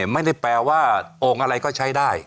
ไม่ได้แปลว่าโอ่งอะไรก็ใช้ได้